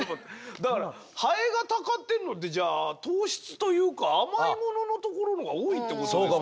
だからハエがたかってるのってじゃあ糖質というか甘いもののところのが多いってことですかね。